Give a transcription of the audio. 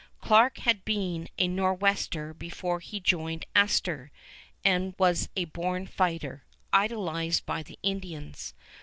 Clarke had been a Nor'wester before he joined Astor, and was a born fighter, idolized by the Indians.